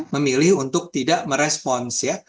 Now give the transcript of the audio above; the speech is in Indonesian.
memilih untuk tidak merespons ya